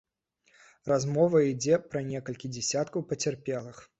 Размова ідзе пра некалькі дзясяткаў пацярпелых.